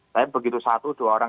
tapi begitu satu dua orang